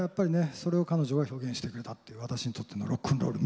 それを彼女が表現してくれたという私にとってのロックンロールミューズでございますから。